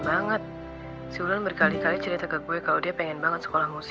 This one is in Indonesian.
bang drum drum drum unez dan turut memb generated amigos